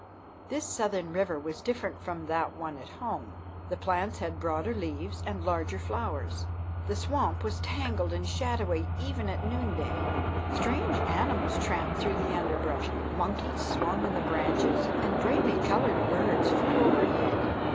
This southern river was different from that one at home. The plants had broader leaves and larger flowers. The swamp was tangled and shadowy even at noonday. Strange animals tramped through the underbrush; monkeys swung on the branches, and brightly colored birds flew overhead.